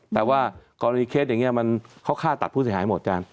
แต่ว่ากอนโดยเคสอย่างนี้มันเขาฆ่าตัดผู้เสียหายหมดจ้า